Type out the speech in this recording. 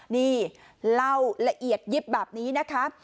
นี่เล่าละเอียดยิบแบบนี้นะคะ